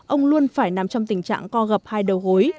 ông luôn phải nằm trong tình trạng co gập hai đầu gối